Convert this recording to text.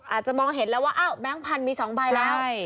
อาจจะมองเห็นแล้วว่าอ้าวแบงค์พันธุ์มี๒ใบแล้ว